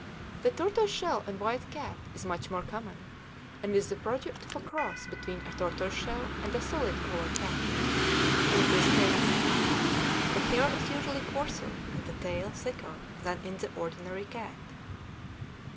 The tortoise shell and white cat is much more common, and is the product of a cross between a tortoise shell and a solid color cat. In this case the hair is usually coarser and the tail thicker than in the ordinary cat.